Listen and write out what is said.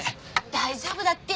大丈夫だって！